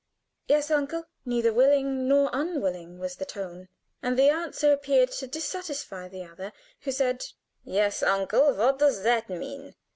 "Yes, uncle." Neither willing nor unwilling was the tone, and the answer appeared to dissatisfy the other, who said: "'Yes, uncle' what does that mean?